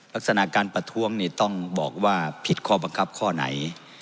ลักษณะการประท้วงต้องบอกว่าผิดข้อบังคับข้อไหน